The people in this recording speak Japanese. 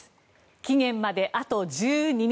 期限まで、あと１２日。